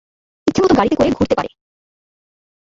ইচ্ছামত গাড়িতে করে ঘুরতে পারে।